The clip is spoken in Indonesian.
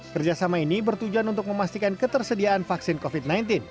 kerjasama ini bertujuan untuk memastikan ketersediaan vaksin covid sembilan belas